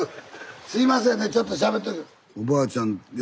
すいませんねちょっとしゃべってくる。